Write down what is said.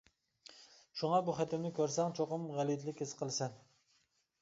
شۇڭا بۇ خېتىمنى كۆرسەڭ چوقۇم غەلىتىلىك ھېس قىلىسەن.